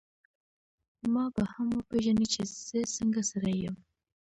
ما به هم وپېژنې چي زه څنګه سړی یم.